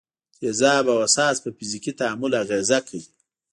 تیزاب او اساس په فزیکي تعامل اغېزه کوي.